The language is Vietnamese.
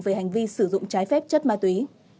về hành vi sử dụng trái phép chất ma túy